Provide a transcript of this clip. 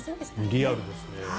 リアルですね。